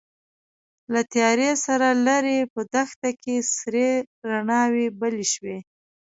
له تيارې سره ليرې په دښته کې سرې رڼاوې بلې شوې.